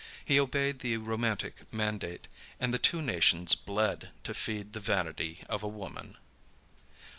He obeyed the romantic mandate; and the two nations bled to feed the vanity of a woman.